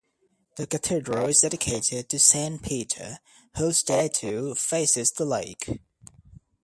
The cathedral is dedicated to Saint Peter, whose statue faces the lake.